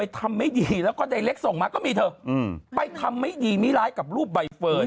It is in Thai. ทำไม่ดีไม่ร้ายกับรูปใบเฟิร์น